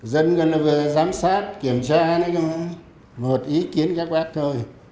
dân gần đây vừa giám sát kiểm tra một ý kiến các bác thôi